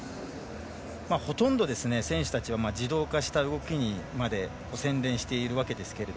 ほとんど、選手たちは自動化した動きにまで洗練しているわけですが。